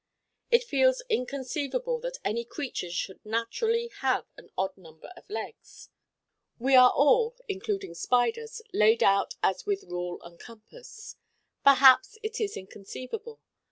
It feels inconceivable that any creature should naturally have an odd number of legs: we are all, including spiders, laid out as with rule and compass. Perhaps it is inconceivable.